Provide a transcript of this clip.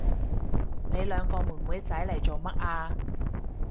你兩個妹妹仔嚟做乜啊？